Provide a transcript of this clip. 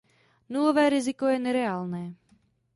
Nulové riziko je nereálné.